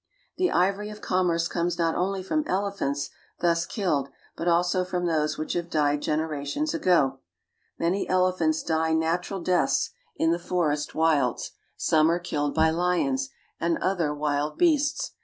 The ivory of commerce comes not only from elephants ; killed, but also from those which have died genera bos ago. Many elephants die natural deaths in the for i 154 AFRICA est wilds ; some are killed by lions and other wild beasts.